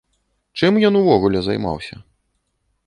Чым ён увогуле займаўся?